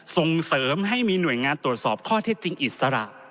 ส่งเสริมให้มีหน่วยงานตรวจสอบข้อเท็จจริงอิสระ